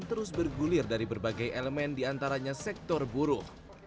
terus bergulir dari berbagai elemen diantaranya sektor buruh